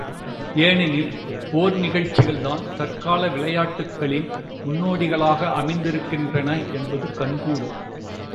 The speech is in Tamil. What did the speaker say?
ஏனெனில், போர் நிகழ்ச்சிகள்தான் தற்கால விளையாட்டுக்களின் முன்னோடிகளாக அமைந்திருக்கின்றன என்பது கண் கூடு.